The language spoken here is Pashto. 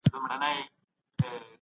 د پوهني وضعیت څنګه څېړل کېږي؟